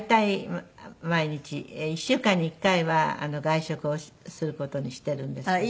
１週間に１回は外食をする事にしているんですけど。